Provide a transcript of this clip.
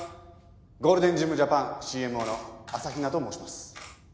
ゴールデンジムジャパンＣＭＯの朝日奈と申します。